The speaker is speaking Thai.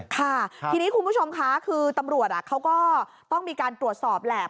ค่ะทีนี้คุณผู้ชมค่ะคือตำรวจเขาก็ต้องมีการตรวจสอบแหละ